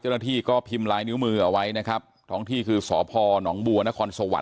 เจ้าหน้าที่ก็พิมพ์ลายนิ้วมือเอาไว้นะครับท้องที่คือสพหนองบัวนครสวรรค